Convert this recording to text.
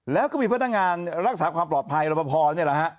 แล้วก็มีพนักงานรักษาความปลอดภัยรับประพอนี่แหละฮะ